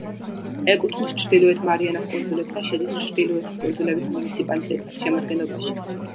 ეკუთვნის ჩრდილოეთ მარიანას კუნძულებს და შედის ჩრდილოეთის კუნძულების მუნიციპალიტეტის შემადგენლობაში.